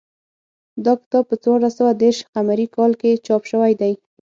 دا کتاب په څوارلس سوه دېرش قمري کال کې چاپ شوی دی